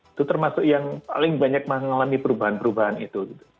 itu termasuk yang paling banyak mengalami perubahan perubahan itu